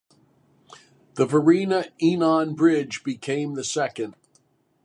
The Varina-Enon Bridge became the second.